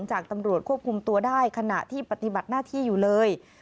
จากตำรวจควบคุมตัวได้ขณะที่ปฏิบัติหน้าที่อยู่เลย